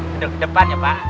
duduk depannya pak